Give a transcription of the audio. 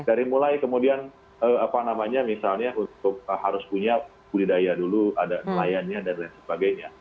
dari mulai kemudian apa namanya misalnya untuk harus punya budidaya dulu ada nelayannya dan lain sebagainya